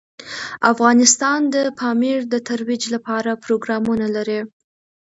افغانستان د پامیر د ترویج لپاره پروګرامونه لري.